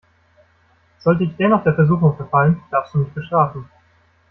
Sollte ich dennoch der Versuchung verfallen, darfst du mich bestrafen.